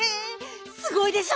すごいでしょ？